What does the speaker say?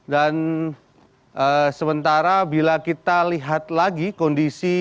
dan sementara bila kita lihat lagi kondisi